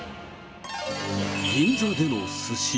銀座でのすし。